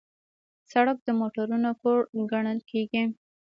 سړک د موټرونو کور ګڼل کېږي.